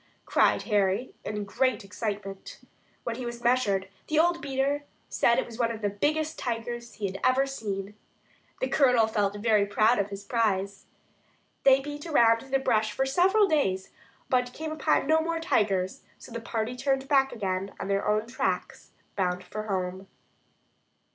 cried Harry, in great excitement. When he was measured, the old beater said that it was one of the biggest tigers he had ever seen. The Colonel felt very proud of his prize. They beat around through the bush for several days, but they came upon no more tigers; so the party turned back again on their own tracks bound for home.